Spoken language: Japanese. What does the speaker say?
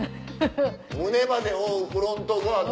「胸まで覆うフロントガード